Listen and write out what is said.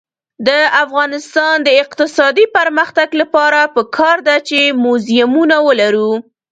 د افغانستان د اقتصادي پرمختګ لپاره پکار ده چې موزیمونه ولرو.